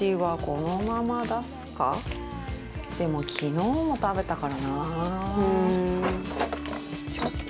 でも昨日も食べたからな。